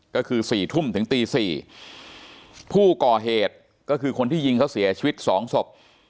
ก็คือ๔ทุ่มถึงตี๔ผู้ก่อเหตุก็คือคนที่ยิงเขาเสียชีวิตสองศพ